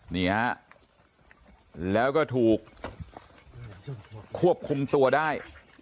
นี่ฮะแล้วก็ถูกควบคุมตัวได้